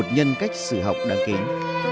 nhân cách sử học đáng kiến